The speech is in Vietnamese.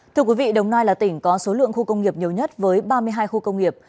thưa quý vị đồng nai là tỉnh có số lượng khu công nghiệp nhiều nhất với ba mươi hai khu công nghiệp